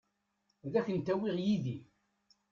Ad kent-awiɣ yid-i.